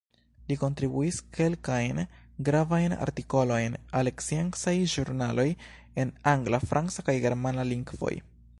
Li kontribuis kelkajn gravajn artikolojn al sciencaj ĵurnaloj en angla, franca kaj germana lingvoj.